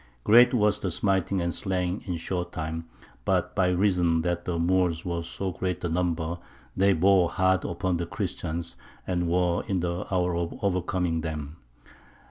Great was the smiting and slaying in short time; but by reason that the Moors were so great a number, they bore hard upon the Christians, and were in the hour of overcoming them.